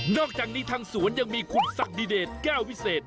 อกจากนี้ทางสวนยังมีคุณศักดิเดชแก้ววิเศษ